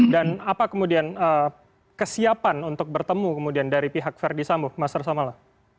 dan apa kemudian kesiapan untuk bertemu kemudian dari pihak verdi sambo mas rasamala